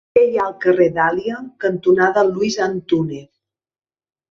Què hi ha al carrer Dàlia cantonada Luis Antúnez?